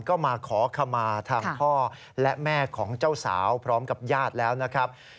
ก็มาขอขมาทางพ่อและแม่ของเจ้าสาวพร้อมกับญาติแล้วนะครับ